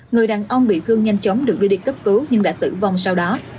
người đàn ông bị thương nhanh chóng được đưa đi cấp cứu nhưng đã tử vong sau đó